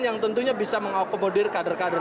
yang tentunya bisa mengakomodir kader kader